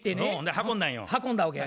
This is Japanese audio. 運んだわけやね。